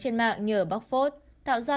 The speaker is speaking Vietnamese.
trên mạng nhờ bóc phốt tạo ra